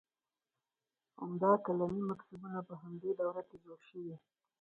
عمده کلامي مکتبونه په همدې دوره کې جوړ شوي.